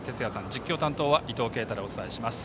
実況は伊藤慶太でお伝えします。